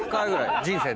人生でね。